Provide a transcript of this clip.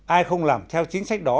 ai không làm theo chính sách đó